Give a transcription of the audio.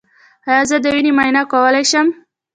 ایا زه د وینې معاینه کولی شم؟